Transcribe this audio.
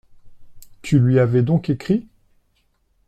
Tu lui avais donc écrit ?…